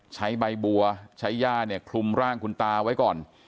ใช้ใบบัวใช้ย่าเนี่ยคลุมร่างคุณตาไว้ก่อน